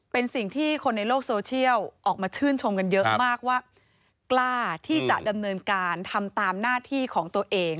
เป็นสิ่งที่คนในโลกโซเชียลออกมาชื่นชมกันเยอะมากว่ากล้าที่จะดำเนินการทำตามหน้าที่ของตัวเอง